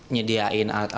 nyediain alat pelanggan